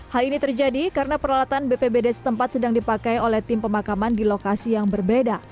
hal ini terjadi karena peralatan bpbd setempat sedang dipakai oleh tim pemakaman di lokasi yang berbeda